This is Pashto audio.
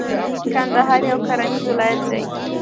کندهار یو کرنیز ولایت دی.